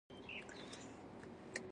زما تقدیر رانه واخلي.